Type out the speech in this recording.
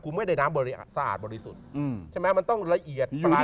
กูไม่ได้น้ำสะอาดบริสุทธิ์